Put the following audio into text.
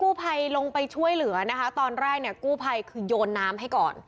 กู้ไพลลงไปช่วยเหลือตอนแรกกู้ไพลคือยน้ำให้ก่อน